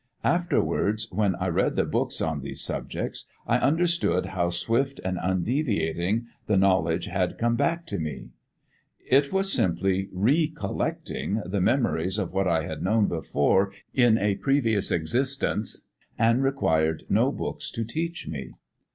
Afterwards, when I read the books on these subjects, I understood how swift and undeviating the knowledge had come back to me. It was simply memory. It was simply re collecting the memories of what I had known before in a previous existence and required no books to teach me."